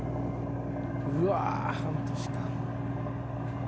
うわ半年間。